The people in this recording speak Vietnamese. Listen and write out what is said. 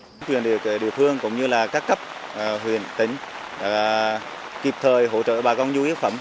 chính quyền địa phương cũng như các cấp huyền tính kịp thời hỗ trợ bà con nhu yếu phẩm